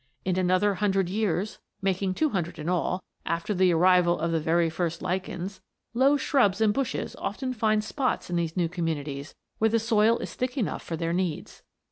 In another hundred years making two hundred in all, after the arrival of the very first lichens low shrubs and bushes often find spots in these new communities where the soil is thick enough for their needs.